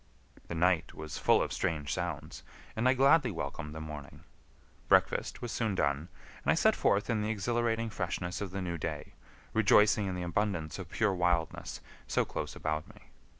The night was full of strange sounds, and I gladly welcomed the morning. Breakfast was soon done, and I set forth in the exhilarating freshness of the new day, rejoicing in the abundance of pure wildness so close about me.